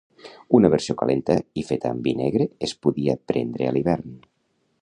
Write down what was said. Una versió calenta i feta amb vi negre es podia prendre a l'hivern.